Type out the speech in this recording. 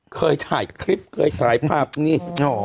เคยถ่ายคลิปเคยถ่ายภาพนี่